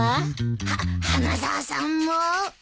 はっ花沢さんも？